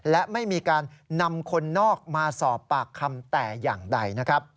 และไม่มีการนำคนนอกมาสอบปากคำแต่อย่างใดนะครับ